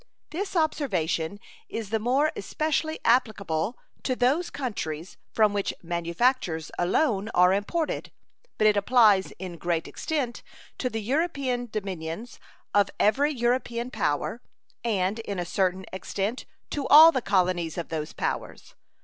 This observation is the more especially applicable to those countries from which manufactures alone are imported, but it applies in great extent to the European dominions of every European power and in a certain extent to all the colonies of those powers.